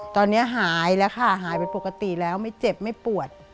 ตอนนี้หายแล้วค่ะหายเป็นปกติแล้วไม่เจ็บไม่ปวด